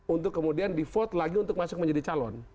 untuk kemudian di vote lagi untuk masuk menjadi calon